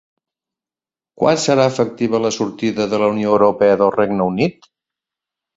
Quan serà efectiva la sortida de la Unió Europea del Regne Unit?